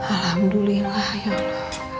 alhamdulillah ya allah